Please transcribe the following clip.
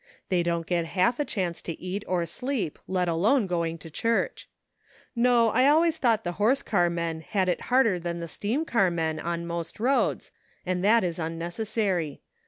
They don't get half a chance to eat or sleep, let alone going to church. No, I always thought the horse car men had it harder than the steam car men on most roads, and that is unnecessary.